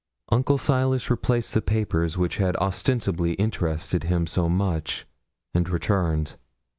Uncle Silas replaced the papers which had ostensibly interested him so much, and returned.